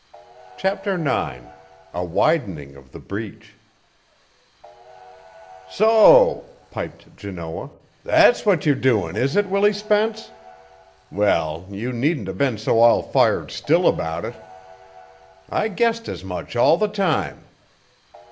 CHAPTER IX A WIDENING OF THE BREACH "So," piped Janoah, "that's what you're doin', is it, Willie Spence? Well, you needn't 'a' been so all fired still about it. I guessed as much all the time."